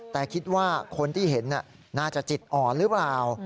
แต่คิดว่าคนที่เห็นน่าจะจิตอ่อนหรือเปล่า